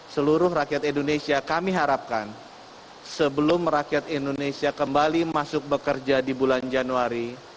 seluruh rakyat indonesia kami harapkan sebelum rakyat indonesia kembali masuk bekerja di bulan januari